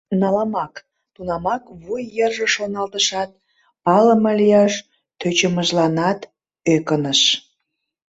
Наламак! — тунамак вуй йырже шоналтышат, палыме лияш тӧчымыжланат ӧкыныш.